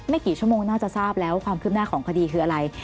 กี่ชั่วโมงน่าจะทราบแล้วความคืบหน้าของคดีคืออะไร